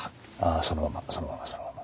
そのままそのままそのまま。